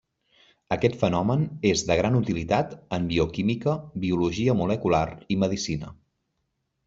Aquest fenomen és de gran utilitat en bioquímica, biologia molecular i medicina.